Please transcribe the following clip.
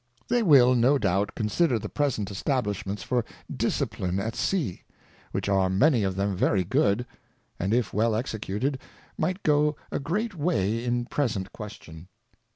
They will, no doubt, consider the present Establishments for Discipline at Sea, which are many of them very good, and if well executed, might go a great way in the present Question.